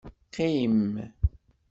Qqim!